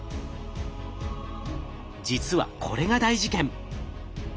実はこれが大事件。